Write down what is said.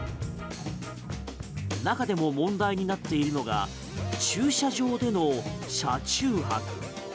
中でも問題になっているのが駐車場での車中泊。